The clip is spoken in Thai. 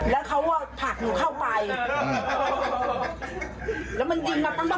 แล้วเขาว่าผักหนูเข้าไปแล้วมันหงิงปั้ง